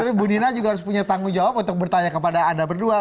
tapi bu nina juga harus punya tanggung jawab untuk bertanya kepada anda berdua